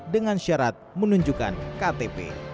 dengan syarat menunjukkan ktp